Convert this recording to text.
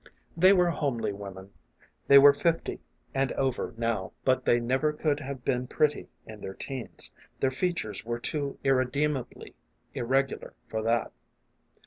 They were homely women ; they were fifty and over now, but they never could have been pretty in their teens, their features were too irredeemably irregular for that.